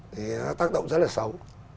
thì nó tác động rất là xấu